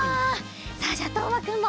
さあじゃあとうまくんも。